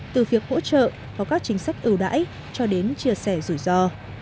từ việc hỗ trợ và các chính sách ưu đãi cho đến chia sẻ rủi ro